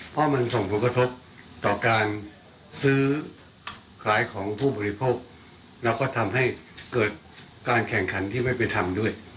เพราะมันส่งผลกระทบต่อการซื้อขายของผู้บริโภคแล้วก็ทำให้เกิดการแข่งขันที่ไม่ไปทำด้วย